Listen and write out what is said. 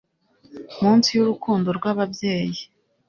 munsi y'urukundo rw'ababyeyi